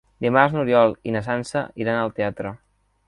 Dimarts n'Oriol i na Sança iran al teatre.